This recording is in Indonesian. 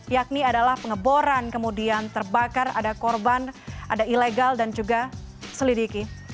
yakni adalah pengeboran kemudian terbakar ada korban ada ilegal dan juga selidiki